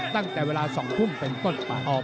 ตั้งแต่เวลา๒ทุ่มเป็นต้นไป